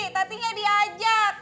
tati gak diajak